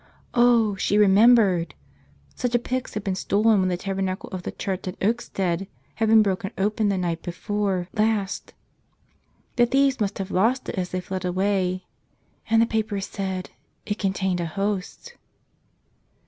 Oh, she remembered! Such a pyx had been stolen when the tabernacle of the church at Oakstead had been broken open the night before last. The thieves must have lost it as they fled away. And the paper said — it contained a Host!